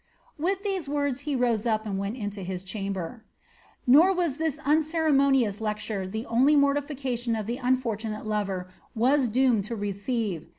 With th he rose up and went into his chamber. Nor was this unci lecture the only mortification the unfortunate lover was doo ceive.